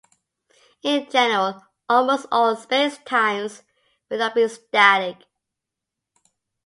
In general, "almost all" spacetimes will not be static.